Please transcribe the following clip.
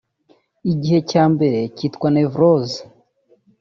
Igice cya mbere kitwa 'Nevrose'